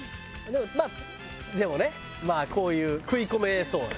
まあでもねこういう食い込めそうな。